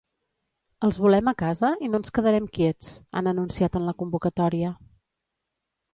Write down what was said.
Els volem a casa i no ens quedarem quiets, han anunciat en la convocatòria.